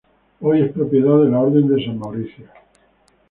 Hoy es propiedad de la Orden de San Mauricio.